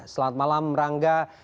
selamat malam rangga